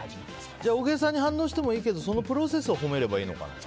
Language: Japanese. じゃあ、大げさに反応してもいいけど、プロセスを褒めればいいのかな。